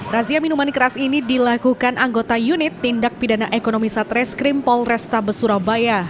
razia minuman keras ini dilakukan anggota unit tindak pidana ekonomi satreskrim polrestabes surabaya